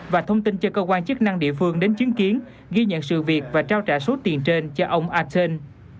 và thông tin cho cơ quan chức năng địa phương đến chứng kiến ghi nhận sự việc và trao trả số tiền trên cho ông a then